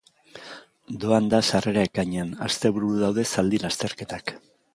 Doan da sarrera ekainean, astebururo daude zaldi lasterketak.